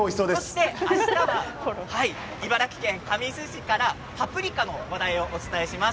あしたは茨城県神栖市からパプリカの話題をお届けします。